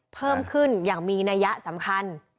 เพิ่มขึ้นอย่างมีนัยยะสำคัญ